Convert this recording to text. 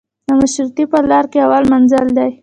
د مشروطې په لار کې اول منزل دی.